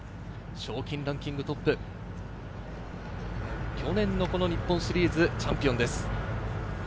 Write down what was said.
賞金ランキングトップ、去年の日本シリーズ、チャンピオンです。